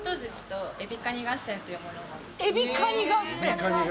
エビカニ合戦？